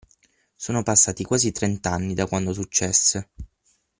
Sono passati quasi trent'anni da quando successe.